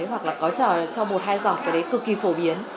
hoặc là có cho một hai giọt cái đấy cực kỳ phổ biến